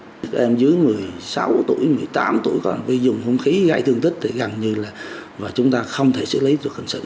các em dưới một mươi sáu tuổi một mươi tám tuổi có thể dùng không khí gây thương tích thì gần như là chúng ta không thể xử lý được hành sinh